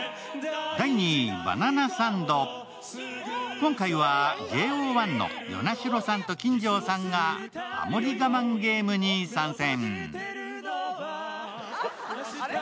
今回はＪＯ１の與那城さんと金城山がハモり我慢ゲームに参戦。